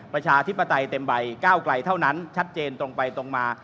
ประชาธิปไตยเต็มใบก้าวไกลเท่านั้นชัดเจนตรงไปตรงมา